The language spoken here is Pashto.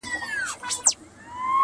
• جهاني تر کندهاره چي رانه سې-